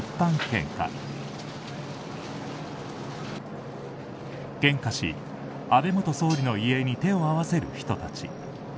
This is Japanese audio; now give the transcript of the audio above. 献花し、安倍元総理の遺影に手を合わせる人たち。